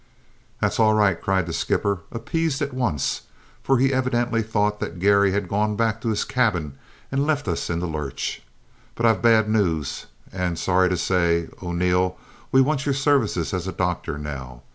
"That's all right," cried the skipper, appeased at once, for he evidently thought that Garry had gone back to his cabin and left us in the lurch. "But I've bad news, and sorry to say, O'Neil, we want your services as a doctor now.